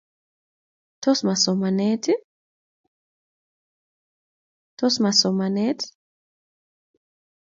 Tos ma somanet?